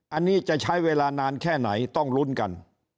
อันนี้จะใช้เวลานานแค่ไหนต้องลุ้นกัน